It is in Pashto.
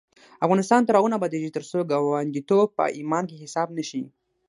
افغانستان تر هغو نه ابادیږي، ترڅو ګاونډیتوب په ایمان کې حساب نشي.